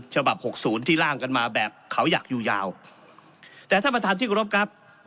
หกศูนย์ที่ล่างกันมาแบบเขาอยากอยู่ยาวแต่ท่านประธานที่กรบครับ